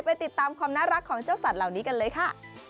ไปติดตามความน่ารักของเจ้าสัตว์เหล่านี้กันเลยค่ะ